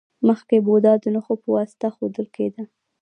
مخکې بودا د نښو په واسطه ښودل کیده